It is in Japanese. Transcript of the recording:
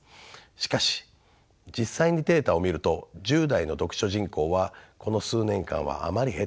しかし実際にデータを見ると１０代の読書人口はこの数年間はあまり減っていません。